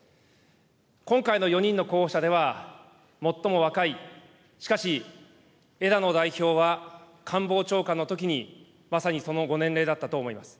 今回の４人の候補者では最も若い、しかし枝野代表は官房長官のときに、まさにその後年齢だったと思います。